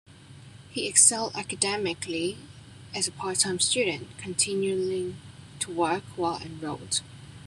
He excelled academically as a part-time student, continuing to work while enrolled.